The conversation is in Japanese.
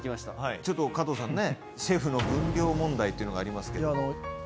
ちょっと加藤さんねシェフの分量問題というのがありますけど。